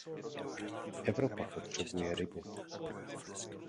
Evropa potřebuje ryby.